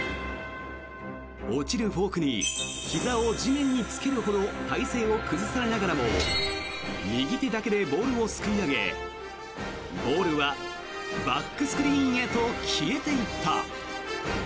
落ちるフォークにひざを地面につけるほど体勢を崩されながらも右手だけでボールをすくい上げボールはバックスクリーンへと消えていった。